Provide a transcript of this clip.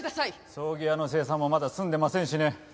葬儀屋の精算もまだ済んでませんしね。